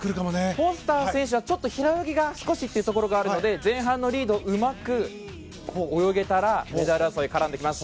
フォスター選手は平泳ぎが少しというところがあるので前半のリードをうまく泳げたらメダル争いに絡んできます。